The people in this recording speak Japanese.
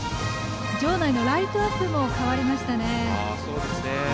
場内のライトアップも変わりましたね。